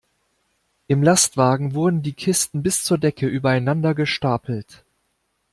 Im Lastwagen wurden die Kisten bis zur Decke übereinander gestapelt.